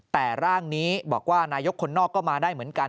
แต่ร่างนี้บอกว่านายกคนนอกก็มาได้เหมือนกัน